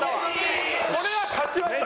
これは勝ちました。